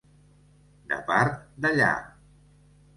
De part d'allà.